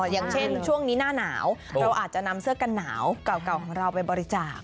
อย่างเช่นช่วงนี้หน้าหนาวเราอาจจะนำเสื้อกันหนาวเก่าของเราไปบริจาค